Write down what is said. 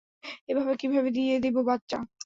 এভাবে কীভাবে দিয়ে দিবো বাচ্চা?